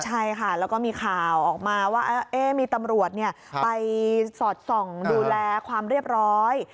ใช่ค่ะแล้วก็มีข่าวออกมาว่ามีตำรวจไปสอดส่องดูแลความเรียบร้อย